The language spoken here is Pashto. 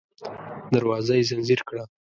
دروازه يې ځنځير کړه.